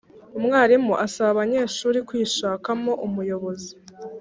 Umwarimu asaba abanyeshuri kwishakamo umuyobozi